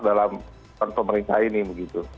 dan pemerintah ini begitu